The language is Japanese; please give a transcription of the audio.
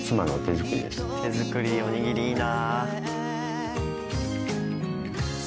手作りおにぎりいいな。